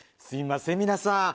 すいません皆さん。